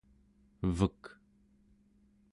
vek